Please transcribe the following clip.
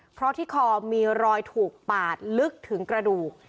เพราะที่คอมีรอยถูกปาดลึกถึงกระดูก